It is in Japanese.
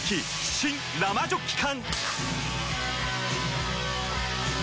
新・生ジョッキ缶！